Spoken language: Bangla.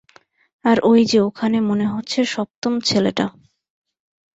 আর ওই যে ওখানে মনে হচ্ছে সপ্তম ছেলেটা।